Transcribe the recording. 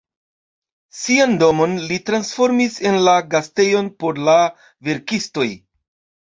Sian domon li transformis en la gastejon por la verkistoj.